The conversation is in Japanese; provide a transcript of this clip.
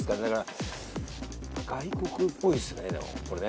外国っぽいっすね。